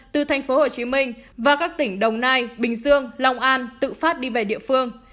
từ thành phố hồ chí minh và các tỉnh đồng nai bình dương long an tự phát đi về địa phương